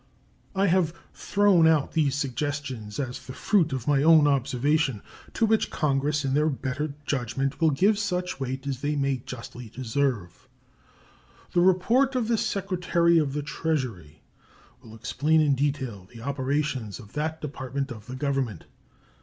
I have thrown out these suggestions as the fruit of my own observation, to which Congress, in their better judgment, will give such weight as they may justly deserve. The report of the Secretary of the Treasury will explain in detail the operations of that Department of the Government.